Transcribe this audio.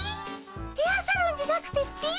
ヘアサロンじゃなくてっピ？